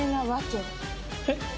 えっ？